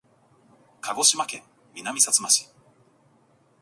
鹿児島県南さつま市